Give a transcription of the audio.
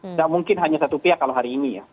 nggak mungkin hanya satu pihak kalau hari ini ya